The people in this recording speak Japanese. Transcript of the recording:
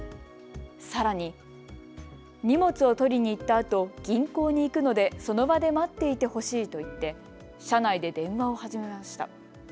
さらに、荷物を取りに行ったあと銀行に行くのでその場で待っていてほしいと言って車内で電話を始めました。